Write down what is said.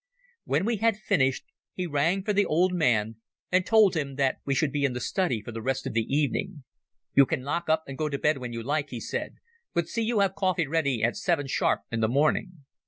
When we had finished, he rang for the old man and told him that we should be in the study for the rest of the evening. "You can lock up and go to bed when you like," he said, "but see you have coffee ready at seven sharp in the morning."